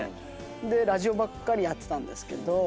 ラジオばっかりやってたんですけど。